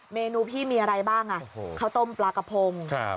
เมนูพี่มีอะไรบ้างอ่ะโอ้โหข้าวต้มปลากระพงครับ